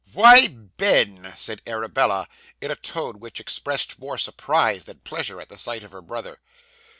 'Why, Ben!' said Arabella, in a tone which expressed more surprise than pleasure at the sight of her brother.